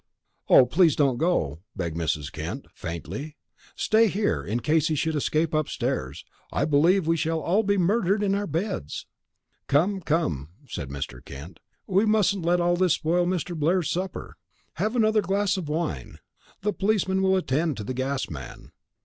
"Oh, please don't go!" begged Mrs. Kent, faintly. "Stay here, in case he should escape upstairs. I believe we shall all be murdered in our beds!" "Come, come," said Mr. Kent. "We mustn't let all this spoil Mr. Blair's supper. Have another glass of wine. The policeman will attend to the gas man.